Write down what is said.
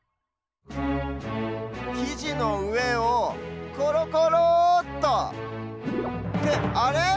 きじのうえをコロコローっとってあれ？